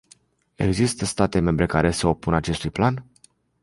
Există state membre care se opun acestui plan?